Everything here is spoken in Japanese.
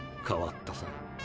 変わったさ。